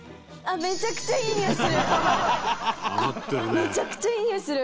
めちゃくちゃいいにおいする。